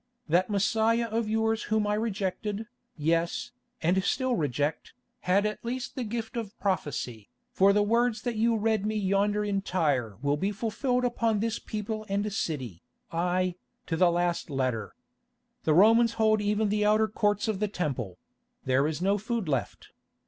That Messiah of yours whom I rejected, yes, and still reject, had at least the gift of prophecy, for the words that you read me yonder in Tyre will be fulfilled upon this people and city, aye, to the last letter. The Romans hold even the outer courts of the Temple; there is no food left.